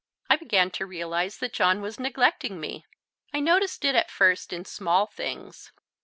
I began to realize that John was neglecting me. I noticed it at first in small things.